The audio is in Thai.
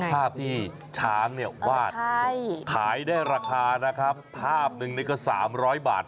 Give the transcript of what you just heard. ภาพที่ช้างเนี่ยวาดขายได้ราคานะครับภาพนึงนี่ก็๓๐๐บาท